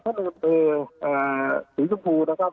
ท่านเรนเฟย์ศรีชมพูนะครับ